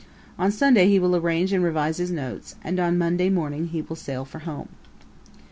On Sunday he will arrange and revise his notes, and on Monday morning he will sail for home.